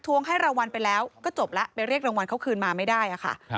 ให้รางวัลไปแล้วก็จบแล้วไปเรียกรางวัลเขาคืนมาไม่ได้ค่ะ